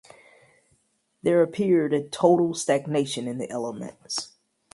There appeared a total stagnation in the elements.